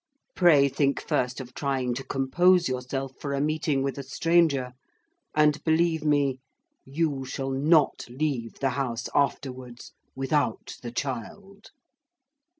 Pray think first of trying to compose yourself for a meeting with a stranger; and believe me you shall not leave the house afterwards without the child."